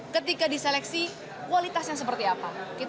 ketika diseleksi kualitasnya seperti apa